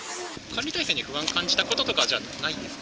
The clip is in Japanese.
管理体制に不安感じたこととか、ないです。